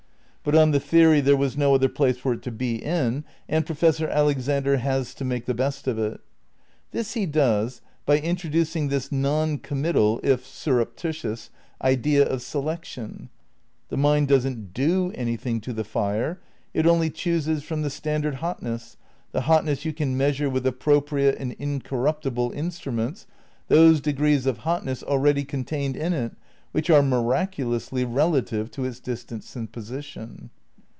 But on the theory there was no other place for it to be in, and Professor Alexander has to make the best of it. This he does by introducing this non committal (if surreptitious) idea of selection. The mind doesn't "do" anything to the fire; it only chooses from the standard hotness, the hotness you can measure with appropriate and incorruptible instruments, those de grees of hotness already contained in it which are (miraculously) relative to its distance and position.